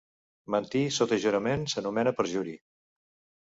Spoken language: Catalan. Mentir sota jurament s'anomena perjuri.